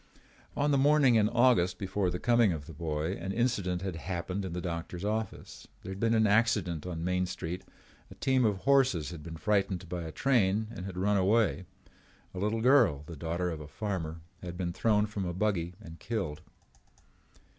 On the morning in August before the coming of the boy, an incident had happened in the doctor's office. There had been an accident on Main Street. A team of horses had been frightened by a train and had run away. A little girl, the daughter of a farmer, had been thrown from a buggy and killed.